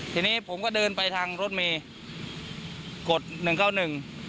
ทีนี้ผมก็เดินไปทางรถเมย์กดหนึ่งเก้าหนึ่ง